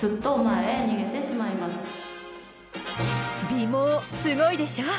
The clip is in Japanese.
尾毛すごいでしょ？